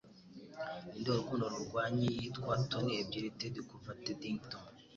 Ninde Urukundo Rurwanyi Yitwa Toni ebyiri Ted Kuva Teddington?